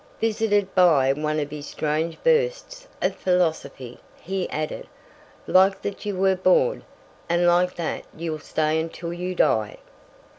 Visited by one of his strange bursts of philosophy, he added: "Like that you were born; and like that you'll stay until you die!"